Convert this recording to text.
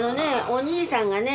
お兄さんがね